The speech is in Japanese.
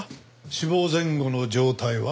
死亡前後の状態は？